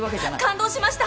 感動しました！